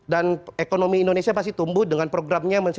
dan ekonomi indonesia pasti tumbuh dengan programnya